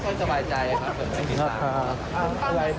เขาไม่สบายใจครับ